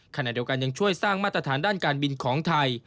ขณะเดียวกันยังช่วยสร้างมาตรฐานด้านการบินของไทย